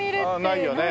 ないよね。